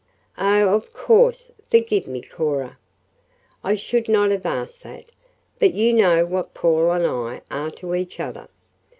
"Oh, of course; forgive me, Cora. I should not have asked that. But you know what Paul and I are to each other!"